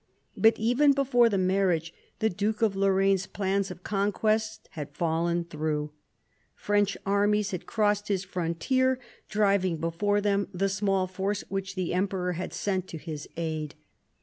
But even before the marriage, the Duke of Lorraine's plans of conquest had fallen through. French armies had crossed his frontier, driving before them the small force which the Emperor had sent to his aid.